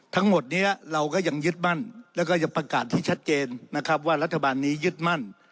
ทั้งหมดนี้เราก็ยังยึดมั่นแล้วก็ยังประกาศที่ชัดเจนนะครับว่ารัฐบาลนี้ยึดมั่น